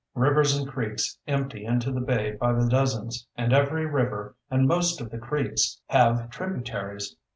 Rivers and creeks empty into the bay by the dozens, and every river, and most of the creeks, have tributaries.